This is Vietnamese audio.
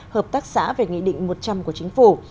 hợp tác xã về nghị định một trăm linh của chính phủ